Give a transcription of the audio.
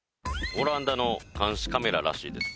オランダの監視カメラらしいです